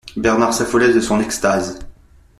Bernard s'affolait de son extase.